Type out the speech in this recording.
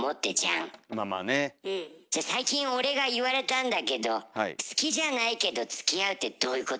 じゃあ最近俺が言われたんだけど「好きじゃないけどつきあう」ってどういうこと？